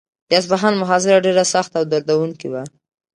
د اصفهان محاصره ډېره سخته او دردونکې وه.